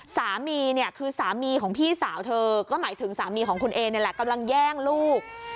สามีเนี่ยคือสามีของพี่สาวเธอก็หมายถึงสามีของคุณเอนี่แหละกำลังแย่งลูก